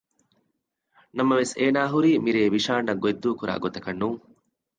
ނަމަވެސް އޭނާ ހުރީ މިރޭ ވިޝާން އަށް ގޮތް ދޫކުރާ ގޮތަކަށް ނޫން